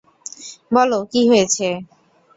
বলো কী হয়েছে?